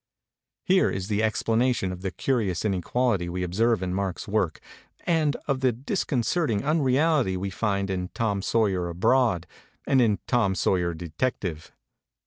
Here is the explanation of the curious in MEMORIES OF MARK TWAIN equality we observe in Mark's work, and of the disconcerting unreality we find in 'Tom Sawyer Abroad' and in "Tom Sawyer, Detective.'